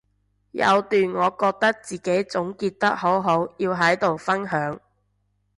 有段我覺得自己總結得好好要喺度分享